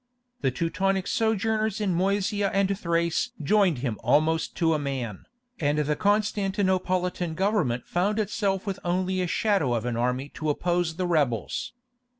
The Teutonic sojourners in Moesia and Thrace joined him almost to a man, and the Constantinopolitan government found itself with only a shadow of an army to oppose the rebels.